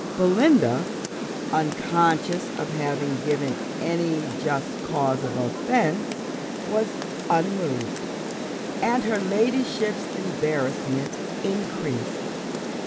Belinda, unconscious of having given any just cause of offence, was unmoved; and her ladyship's embarrassment increased.